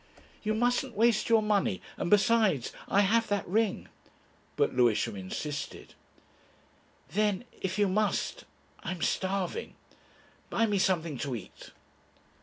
"You mustn't waste your money, and besides, I have that ring." But Lewisham insisted. "Then if you must I am starving. Buy me something to eat."